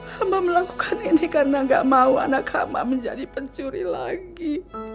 hamba melakukan ini karena gak mau anak hama menjadi pencuri lagi